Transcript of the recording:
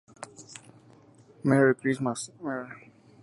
Merry Christmas Mr.